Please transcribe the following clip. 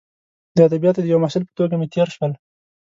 د ادبیاتو د یوه محصل په توګه مې تیر شول.